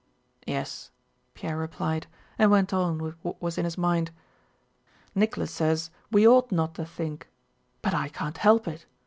"Yes," Pierre replied, and went on with what was in his mind. "Nicholas says we ought not to think. But I can't help it.